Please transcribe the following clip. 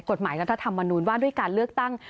กฎหมายรัฐธรรมวันนู้นว่าด้วยการเลือกตั้ง